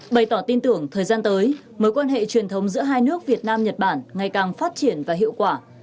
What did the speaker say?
bày tỏ tin tưởng thời gian tới mối quan hệ truyền thống giữa hai nước việt nam nhật bản ngày càng phát triển và hiệu quả